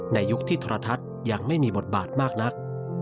ยุคที่ทรทัศน์ยังไม่มีบทบาทมากนัก